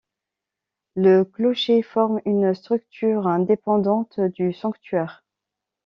Le clocher forme une structure indépendante du sanctuaire.